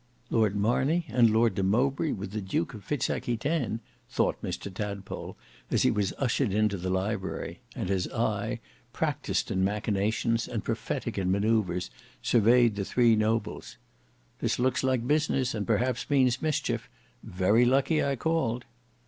"Lord Marney and Lord de Mowbray with the Duke of Fitz Aquitaine," thought Mr Tadpole, as he was ushered into the library and his eye, practised in machinations and prophetic in manoeuvres surveyed the three nobles. "This looks like business and perhaps means mischief. Very lucky I called!"